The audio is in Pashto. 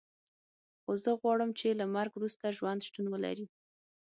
خو زه غواړم چې له مرګ وروسته ژوند شتون ولري